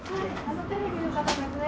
テレビの方ですね。